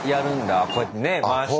こうやってね回して。